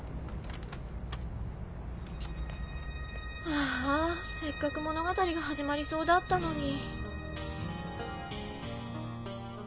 ああせっかく物語が始まりそうだったのに。